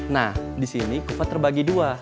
nah disini kuva terbagi dua